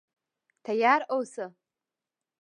تیار اوسه.